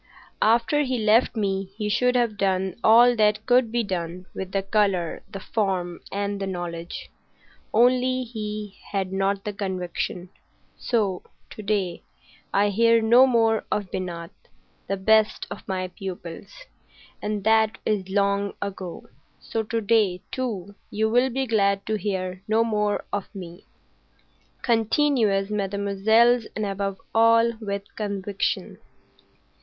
After he left me he should have done all that could be done with the colour, the form, and the knowledge. Only, he had not the conviction. So to day I hear no more of Binat,—the best of my pupils,—and that is long ago. So to day, too, you will be glad to hear no more of me. Continuez, mesdemoiselles, and, above all, with conviction."